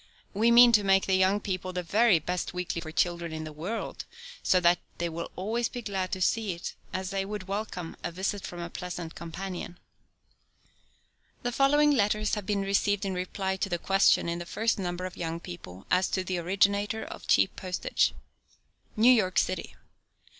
We mean to make Young People the very best weekly for children in the world, so that they will always be glad to see it, as they would welcome a visit from a pleasant companion. The following letters have been received in reply to the question, in the first number of Young People, as to the originator of cheap postage. NEW YORK CITY.